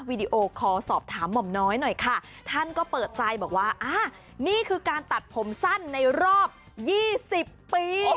ดีโอคอสอบถามหม่อมน้อยหน่อยค่ะท่านก็เปิดใจบอกว่าอ่านี่คือการตัดผมสั้นในรอบ๒๐ปี